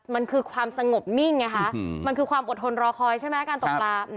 มันคือความสงบนิ่งไงคะมันคือความอดทนรอคอยใช่ไหมการตกปลา